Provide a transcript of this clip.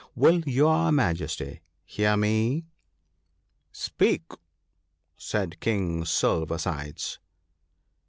Will your Majesty hear me ?'' Speak !' said King Silver sides.